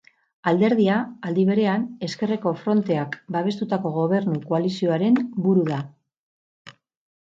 Alderdia, aldi berean, Ezkerreko Fronteak babestutako gobernu koalizioaren buru da.